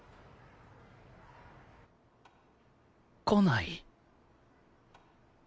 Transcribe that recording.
来ない